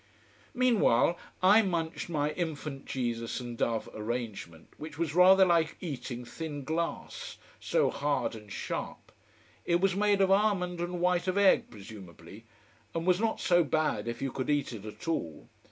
Meanwhile I munched my Infant Jesus and Dove arrangement, which was rather like eating thin glass, so hard and sharp. It was made of almond and white of egg presumably, and was not so bad if you could eat it at all.